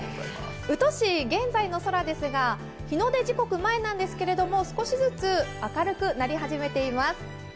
宇土市、現在の空ですが、日の出時刻前なんですけど少しずつ明るくなり始めています。